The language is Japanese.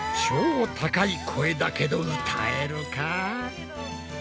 超高い声だけど歌えるか？